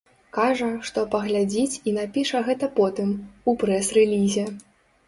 Кажа, што паглядзіць і напіша гэта потым, у прэс-рэлізе.